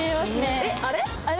えっあれ？